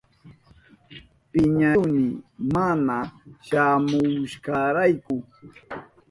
Piñarihuni mana shamuhushkanrayku.